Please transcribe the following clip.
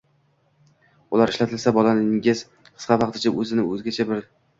Ular ishlatilsa, bolangiz qisqa vaqt ichida o‘zini o‘zgacha bir